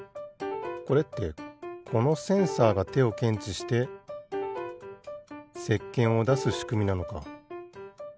これってこのセンサーがてをけんちしてせっけんをだすしくみなのか。